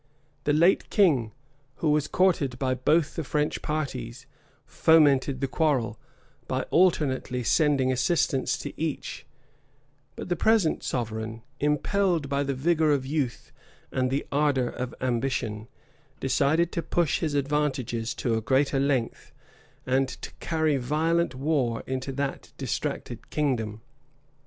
The late king, who was courted by both the French parties, fomented the quarrel, by alternately sending assistance to each; but the present sovereign, impelled by the vigor of youth and the ardor of ambition, determined to push his advantages to a greater length, and to carry violent war into that distracted kingdom.